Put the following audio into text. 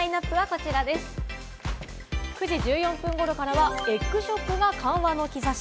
９時１４分ごろからはエッグショックが緩和の兆し。